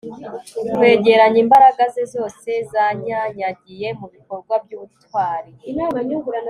Kwegeranya imbaraga ze zose zanyanyagiye mubikorwa byubutwari